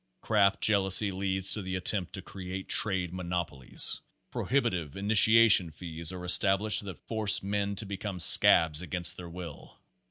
Craft jealousy leads to the attempt to create trade monopolies. Prohibitive initiation fees are established that force men to become scabs against their will.